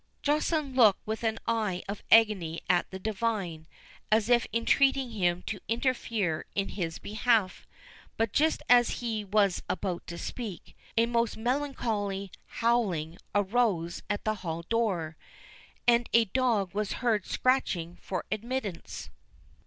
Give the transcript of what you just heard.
Joceline looked with an eye of agony at the divine, as if entreating him to interfere in his behalf; but just as he was about to speak, a most melancholy howling arose at the hall door, and a dog was heard scratching for admittance.